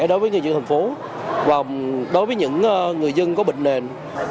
đối với người dân thành phố và đối với những người dân có bệnh nền